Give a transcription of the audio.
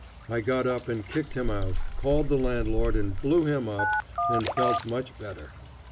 I got up and kicked him out, called the landlord and blew him up, and felt much better.